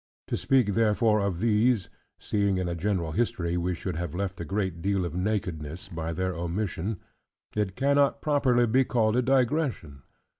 To speak therefore of these (seeing in a general history we should have left a great deal of nakedness, by their omission) it cannot properly be called a digression.